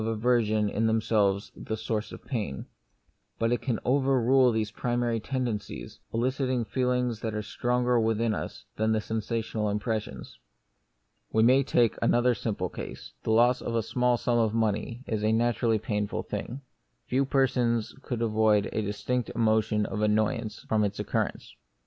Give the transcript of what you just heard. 1 1 aversion in themselves the source of pain ; but it can overrule these primary tendencies, eliciting feelings which are stronger within us than the sensational impressions. We may take another simple case : The loss of a small sum of money is a naturally painful thing ; few persons could avoid a distinct emotion of annoyance from its occurrence.